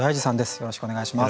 よろしくお願いします。